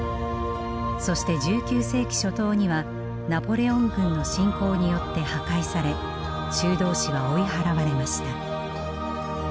そして１９世紀初頭にはナポレオン軍の侵攻によって破壊され修道士は追い払われました。